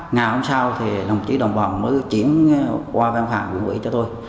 ngày hôm sau thì đồng chí đồng bò mới chuyển qua văn phản huyện ủy cho tôi